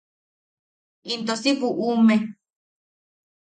Into si buʼume.